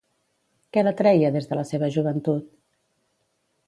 Què l'atreia des de la seva joventut?